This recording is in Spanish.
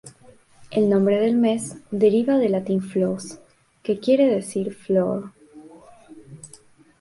El nombre del mes deriva del latín "flos", que quiere decir flor.